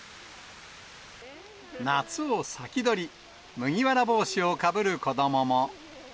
夏を先取り、麦わら帽子をかぶる子どもも。